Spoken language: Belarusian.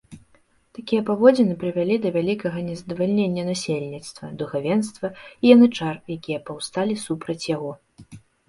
Такія паводзіны прывялі да вялікага незадавальнення насельніцтва, духавенства і янычар, якія паўсталі супраць яго.